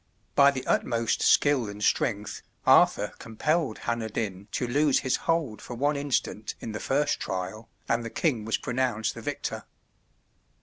By the utmost skill and strength, Arthur compelled Hanner Dyn to lose his hold for one instant in the first trial, and the King was pronounced the victor.